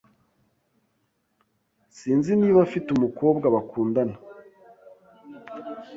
Sinzi niba afite umukobwa bakundana.